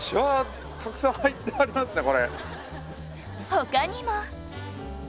他にも